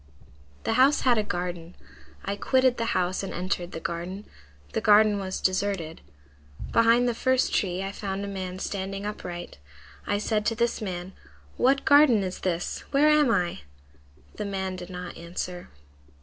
"The house had a garden. I quitted the house and entered the garden. The garden was deserted. Behind the first tree I found a man standing upright. I said to this man, 'What garden is this? Where am I?' The man did not answer.